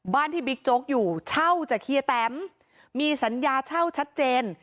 บ้านที่บิ๊กโจ๊กอยู่เช่าจากเฮียแตมมีสัญญาเช่าชัดเจน